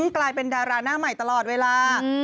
กลายเป็นดาราหน้าใหม่ตลอดเวลา